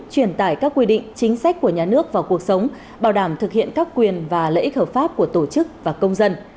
truyền tải các quy định chính sách của nhà nước vào cuộc sống bảo đảm thực hiện các quyền và lợi ích hợp pháp của tổ chức và công dân